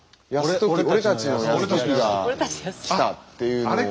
「俺たちの泰時が来た」っていうのを。